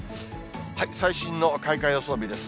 最新の開花予想日です。